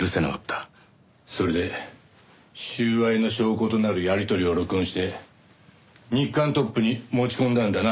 それで収賄の証拠となるやり取りを録音して日刊トップに持ち込んだんだな？